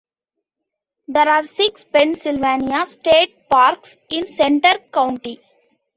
There are six Pennsylvania state parks in Centre County.